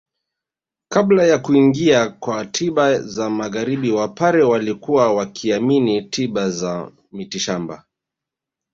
Kabla ya kuingia kwa tiba za magharibi wapare walikuwa wakiamini tiba za mitishamba